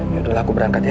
yaudah lah aku berangkat ya